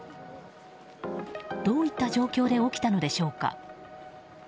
どういった状況で起きたのでしょうか。